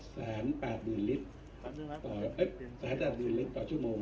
สันแปดหมื่นลิตรต่อชั่วโมง